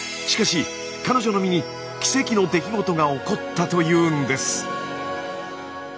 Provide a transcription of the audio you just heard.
しかし彼女の身に奇跡の出来事が起こったというんです。